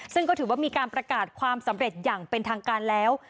ซึ่งก็ถือว่ามีการประกาศความสำเร็จอย่างเป็นทางการแล้ว